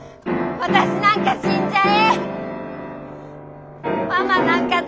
ママなんか死んじゃえ！